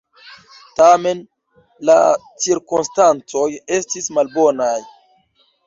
Tamen, la cirkonstancoj estis malbonaj.